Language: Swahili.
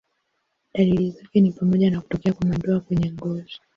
Dalili zake ni pamoja na kutokea kwa madoa kwenye ngozi.